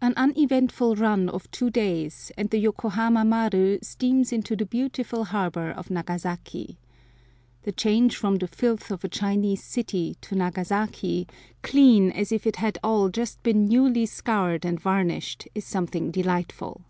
An uneventful run of two days, and the Yokohama Maru steams into the beautiful harbor of Nagasaki. The change from the filth of a Chinese city to Nagasaki, clean as if it had all just been newly scoured and varnished, is something delightful.